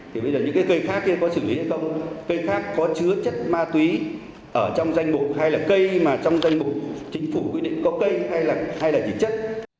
thì bây giờ những cây cát kia có xử lý hay không cây cát có chứa chất ma túy ở trong danh mục hay là cây mà trong danh mục chính phủ quyết định có cây hay là chỉ chất